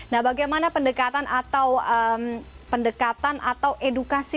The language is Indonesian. nah bagaimana pendekatan atau pendekatan atau edukasi